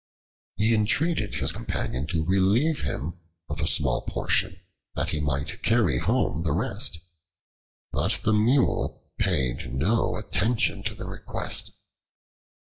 He entreated his companion to relieve him of a small portion, that he might carry home the rest; but the Mule paid no attention to the request.